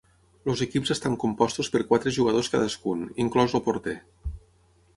Els equips estan compostos per quatre jugadors cadascun, inclòs el porter.